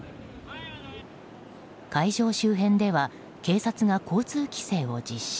会場周辺では警察が交通規制を実施。